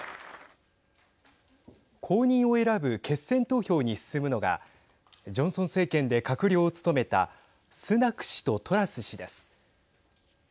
後任を選ぶ決選投票に進むのがジョンソン政権で閣僚を務めたスナク氏とトラス氏です。